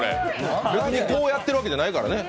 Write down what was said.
別にこうやってるわけじゃないからね。